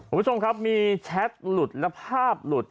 คุณผู้ชมครับมีแชทหลุดและภาพหลุด